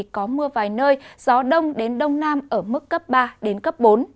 có mưa vài nơi gió đông đến đông nam ở mức cấp ba bốn